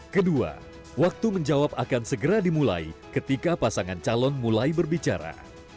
kedua waktu menjawab akan segera dimulai ketika pasangan calon mulai berbicara